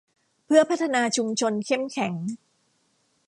เพื่อพัฒนาชุมชนเข้มแข็ง